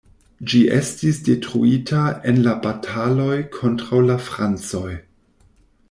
Ĝi estis detruita en la bataloj kontraŭ la francoj.